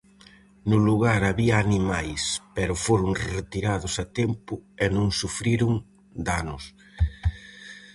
No lugar había animais, pero foron retirados a tempo e non sufriron danos.